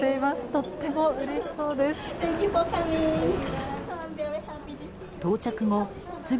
とてもうれしそうです。